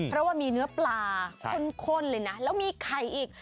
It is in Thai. เพราะว่ามีเนื้อปลาข้นเลยนะแล้วมีไข่อีก